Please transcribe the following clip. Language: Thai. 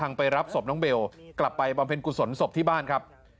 ไปรับศพน้องเบลกลับไปบำเพ็ญกุศลศพที่บ้านครับ